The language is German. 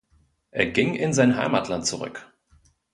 Er ging in sein Heimatland zurück.